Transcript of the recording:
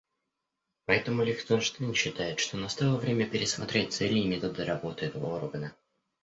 Поэтому Лихтенштейн считает, что настало время пересмотреть цели и методы работы этого органа.